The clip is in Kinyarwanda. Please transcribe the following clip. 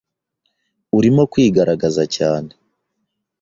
Urimo kwigaragaza cyane.